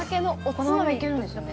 ◆このままいけるんですよね。